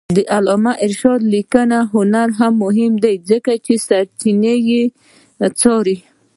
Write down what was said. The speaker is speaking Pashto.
د علامه رشاد لیکنی هنر مهم دی ځکه چې سرچینې څاري.